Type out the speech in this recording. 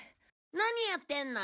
何やってんの？